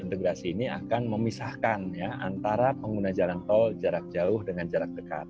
integrasi ini akan memisahkan ya antara pengguna jalan tol jarak jauh dengan jarak dekat